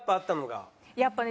やっぱね